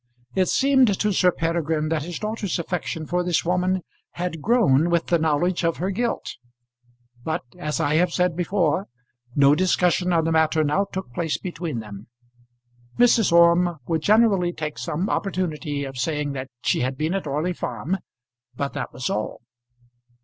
It seemed to Sir Peregrine that his daughter's affection for this woman had grown with the knowledge of her guilt; but, as I have said before, no discussion on the matter now took place between them. Mrs. Orme would generally take some opportunity of saying that she had been at Orley Farm; but that was all.